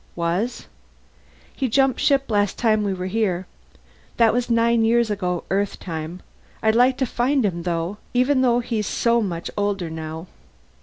"Was?" "He jumped ship last time we were here. That was nine years ago Earthtime. I'd like to find him, though. Even though he's so much older now."